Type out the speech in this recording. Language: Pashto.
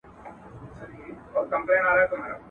هغه وطن مي راته تنور دی !.